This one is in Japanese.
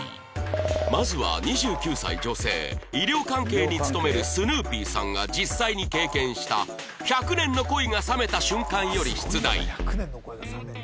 まずは２９歳女性医療関係に勤めるスヌーピーさんが実際に経験した１００年の恋が冷めた瞬間より出題１００年の恋が冷めるって。